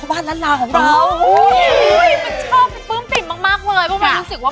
วันนี้นะคะลูก